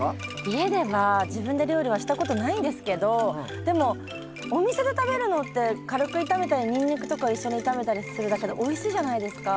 家では自分で料理はしたことないんですけどでもお店で食べるのって軽く炒めたりにんにくとか一緒に炒めたりするだけでおいしいじゃないですか。